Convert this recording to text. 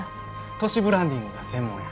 都市ブランディングが専門や。